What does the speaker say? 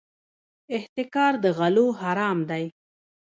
احتکار د غلو حرام دی.